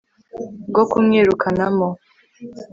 bwo kumwirukanamo